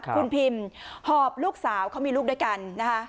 คุณพิมหอบลูกสาวเขามีลูกด้วยกันนะคะ